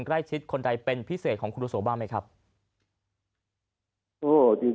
ใกล้ชิดคนใดเป็นพิเศษของครูโสบ้างไหมครับโอ้จริง